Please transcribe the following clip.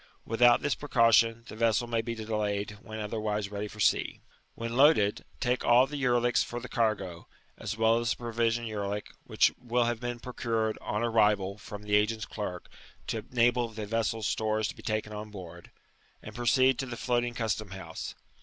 Without this precaution the vessel may be delayed when otherwise ready for sea. When loaded, take all the yerlicks for the cargo, as well as the provision yeriick (which will have been procured, on arrival, from the agent's clerk, to enable the vessel's stores to be taken on board), and proceed to the floating custom house.